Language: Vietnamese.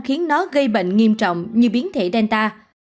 khiến nó gây bệnh nghiêm trọng như biến thể danta